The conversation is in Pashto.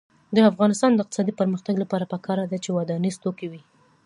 د افغانستان د اقتصادي پرمختګ لپاره پکار ده چې ودانیز توکي وي.